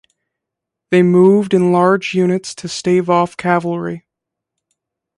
They moved in large units to stave off cavalry.